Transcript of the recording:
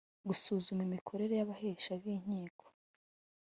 Gusuzuma imikorere y abahesha b inkiko